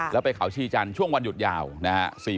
แล้วไปเขาชีจันทร์ช่วงวันหยุดยาวนะฮะ